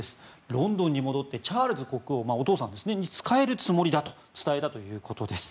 ロンドンに戻ってチャールズ国王、お父さんに仕えるつもりだと伝えたということです。